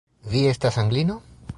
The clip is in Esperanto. Vi estas Anglino?